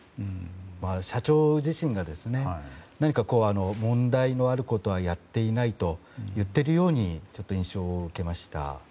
社長自身が何かこう問題のあることはやっていないと言っているような印象を受けました。